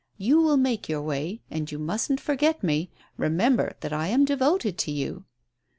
You will make your way; and you mustn't forget me. Eemember that I'm devoted to you."